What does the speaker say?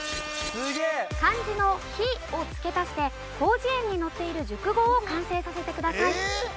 漢字の「日」をつけ足して『広辞苑』に載っている熟語を完成させてください。